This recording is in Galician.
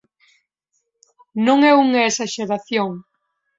Non é unha esaxeración.